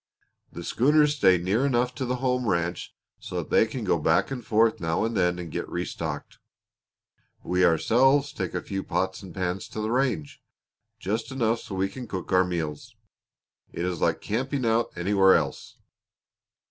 The schooners stay near enough to the home ranch so they can go back and forth now and then and get restocked. We ourselves take a few pots and pans to the range just enough so we can cook our meals. It is like camping out anywhere else."